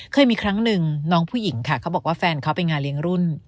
เคยมีครั้งหนึ่งน้องผู้หญิงค่ะเขาบอกว่าแฟนเขาไปงานเลี้ยงรุ่น